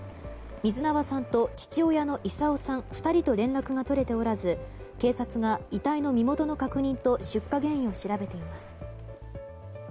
水縄さんと父親の功生さん２人と連絡が取れておらず警察が遺体の身元の確認と出火原因を調べています。